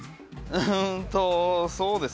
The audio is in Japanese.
うーんとそうですね